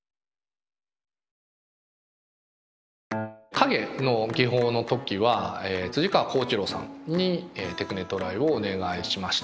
影の技法の時は川幸一郎さんにテクネ・トライをお願いしました。